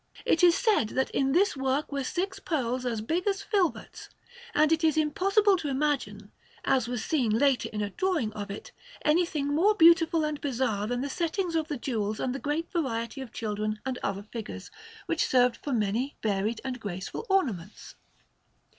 It is said that in this work were six pearls as big as filberts, and it is impossible to imagine, as was seen later in a drawing of it, anything more beautiful and bizarre than the settings of the jewels and the great variety of children and other figures, which served for many varied and graceful ornaments.